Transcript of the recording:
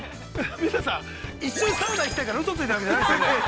水田さん、一緒にサウナ行きたいからうそついたわけじゃないですよね。